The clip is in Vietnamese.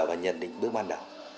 và nhận định bước ban đầu